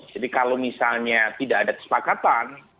kalau misalnya tidak ada kesepakatan